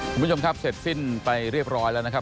คุณผู้ชมครับเสร็จสิ้นไปเรียบร้อยแล้วนะครับ